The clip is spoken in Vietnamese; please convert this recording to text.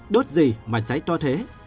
đốt gì mà cháy to thế